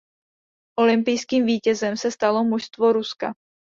Olympijským vítězem se stalo mužstvo Ruska.